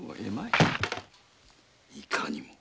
いかにも。